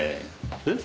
えっ？